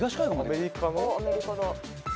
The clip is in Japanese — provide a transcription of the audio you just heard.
・アメリカの。